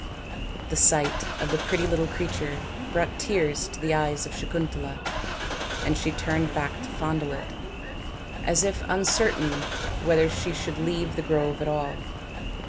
The sight of the pretty little creature brought tears to the eyes of Sakuntala, and she turned back to fondle it, as if uncertain whether she should leave the grove at all.